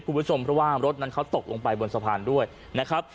เพราะว่าอำรถนั้นเขาตกลงไปบนสะพานด้วยนะครับ